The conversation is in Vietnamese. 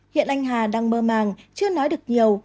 hiện anh hà đang mơ màng chưa nói được nhiều